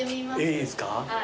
いいですか？